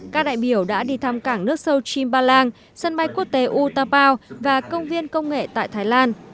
các đại biểu đã đi thăm cảng nước sâu chimbalang sân bay quốc tế utapo và công viên công nghệ tại thái lan